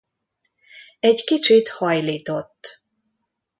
Egy kicsit hajlított.